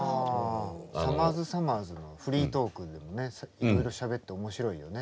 「さまぁず×さまぁず」のフリートークでもねいろいろしゃべって面白いよね。